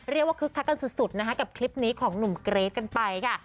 เรียกว่าคึกคักกันสุดกับคลิปนี้ของหนุ่มเกรดกันไปค่ะ